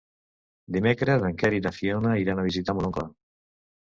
Dimecres en Quer i na Fiona iran a visitar mon oncle.